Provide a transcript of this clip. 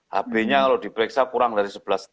hp nya kalau diperiksa kurang dari sebelas lima